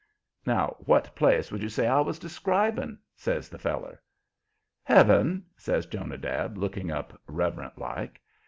"Now what place would you say I was describing?" says the feller. "Heaven," says Jonadab, looking up, reverent like.